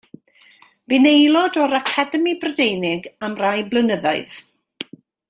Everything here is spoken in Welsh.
Bu'n aelod o'r Academi Brydeinig am rai blynyddoedd.